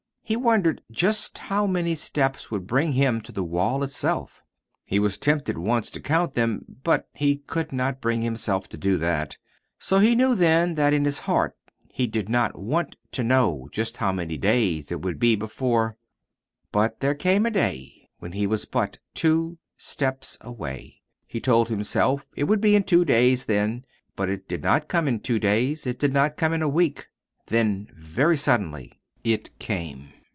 He wondered just how many steps would bring him to the wall itself. He was tempted once to count them but he could not bring himself to do that; so he knew then that in his heart he did not want to know just how many days it would be before But there came a day when he was but two steps away. He told himself it would be in two days then. But it did not come in two days. It did not come in a week. Then, very suddenly, it came.